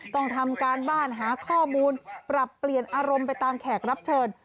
ต้องทำการบ้านหาข้อมูลปรับเปลี่ยนอารมณ์ไปตามแขกรับเชิญ